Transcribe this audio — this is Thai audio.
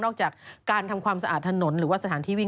จากการทำความสะอาดถนนหรือว่าสถานที่วิ่ง